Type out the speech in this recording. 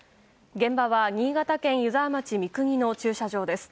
現場は新潟県湯沢町三国の駐車場です。